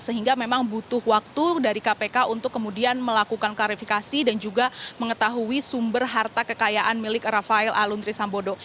sehingga memang butuh waktu dari kpk untuk kemudian melakukan klarifikasi dan juga mengetahui sumber harta kekayaan milik rafael aluntri sambodo